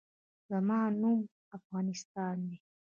زما نوم افغانستان دی